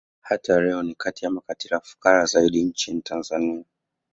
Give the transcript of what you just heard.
Hata leo ni kati ya makabila fukara zaidi nchini Tanzania